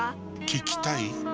聞きたい？